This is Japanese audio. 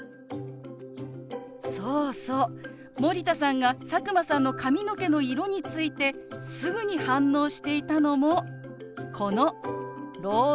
そうそう森田さんが佐久間さんの髪の毛の色についてすぐに反応していたのもこのろう文化ですね。